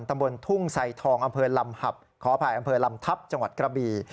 ตำบลทุ่งไซทองอำเภอลำหับขออภัยอำเภอลำทัพจังหวัดกระบี